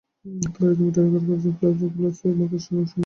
তাঁরা রীতিমতো রেকর্ড করেছেন গ্লাডিকোসা গুলোসা প্রজাতির মাকড়সার ওই সংগীত।